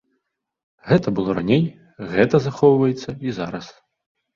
Гэты было раней, гэта захоўваецца і зараз.